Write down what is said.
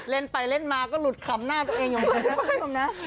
เล่นไปเล่นมาก็หลุดขำหน้าตัวเองอย่างนั้น